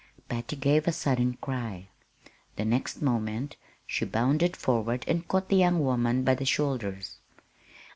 Patty gave a sudden cry. The next moment she bounded forward and caught the young woman by the shoulders.